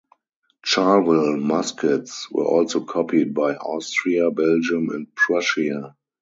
Charleville muskets were also copied by Austria, Belgium and Prussia.